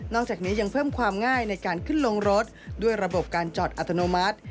จากนี้ยังเพิ่มความง่ายในการขึ้นลงรถด้วยระบบการจอดอัตโนมัติ